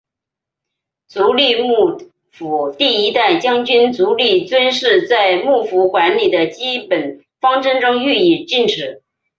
足利幕府第一代将军足利尊氏在幕府管理的基本方针中予以禁止。